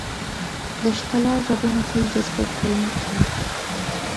د ښکلا ږغونه تل جذبونکي وي.